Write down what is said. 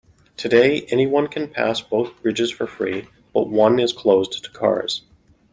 Today, anyone can pass both bridges for free, but one is closed to cars.